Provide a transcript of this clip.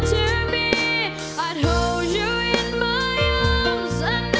ตอนนี้ก็คือที่สุด